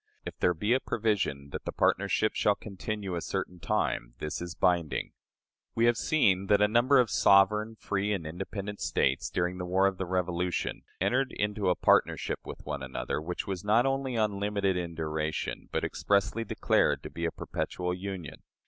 If there be a provision that the partnership shall continue a certain time, this is binding." We have seen that a number of "sovereign, free, and independent" States, during the war of the Revolution, entered into a partnership with one another, which was not only unlimited in duration, but expressly declared to be a "perpetual union."